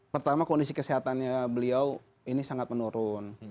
pertama kondisi kesehatannya beliau ini sangat menurun